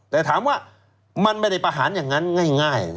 แต่ถามว่ามันไม่ได้ประหารอย่างนั้นง่าย